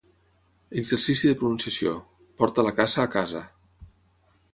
Exercici de pronunciació: porta la caça a casa